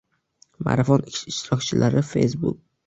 Marafon ishtirokchilari © facebook